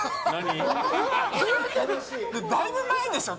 だいぶ前でしょ？